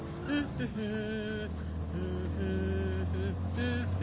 フフフッフッフ